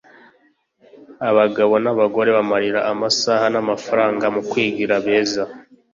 Abagabo n’abagore bamarira amasaha n’amafaranga mu kwigira beza